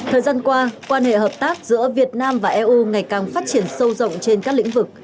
thời gian qua quan hệ hợp tác giữa việt nam và eu ngày càng phát triển sâu rộng trên các lĩnh vực